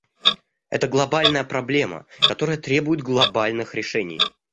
Это глобальная проблема, которая требует глобальных решений.